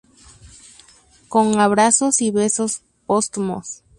Con abrazos y besos póstumos".